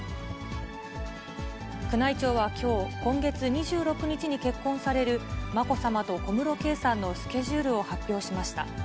宮内庁はきょう、今月２６日に結婚されるまこさまと小室圭さんのスケジュールを発表しました。